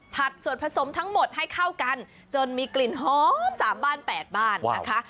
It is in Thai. ผัดส่วนผสมทั้งหมดให้เข้ากันจนมีกลิ่นหอม๓บ้าน๘บ้านนะคะ